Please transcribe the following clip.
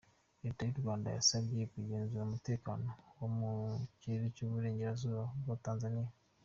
Leta y’ u Rwanda yasabye kugenzura umutekano wo mu kirere cy’uburengerazuba bwa Tanzaniya.